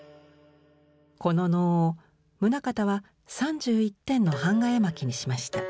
この能を棟方は３１点の板画絵巻にしました。